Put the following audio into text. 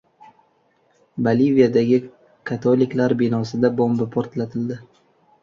Boliviyadagi katoliklar binosida bomba portlatildi